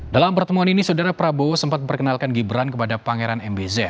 dalam pertemuan ini saudara prabowo sempat memperkenalkan gibran kepada pangeran mbz